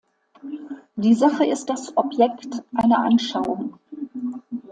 Die Sache ist das Objekt einer Anschauung.